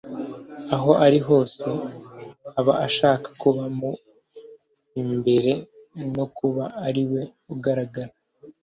aho ari hose aba ashaka kuba mu b’imbere no kuba ari we ugaragara